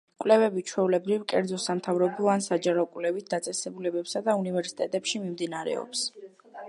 კვლევები ჩვეულებრივ კერძო, სამთავრობო ან საჯარო კვლევით დაწესებულებებსა და უნივერსიტეტებში მიმდინარეობს.